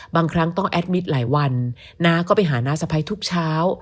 บางครั้งต้องแอดมิตรหลายวันน้าก็ไปหาน้าสะพ้ายทุกเช้า